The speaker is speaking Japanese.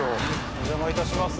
お邪魔いたします。